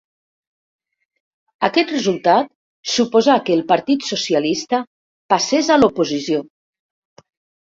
Aquest resultat suposà que el Partit Socialista passés a l'oposició.